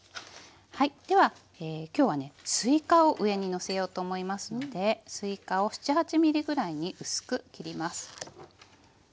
ではきょうはねすいかを上にのせようと思いますのですいかを７８ｍｍぐらいに薄く切ります。